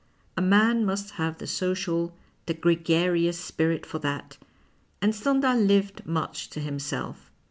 A man must have the social, tiic gregarious spirit for that, and Stendhal lived much to himself.